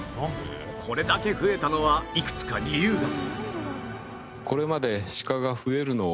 これだけ増えたのはいくつか理由が